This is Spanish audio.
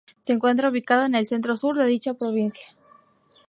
Se encuentra ubicado en el centro sur de dicha provincia.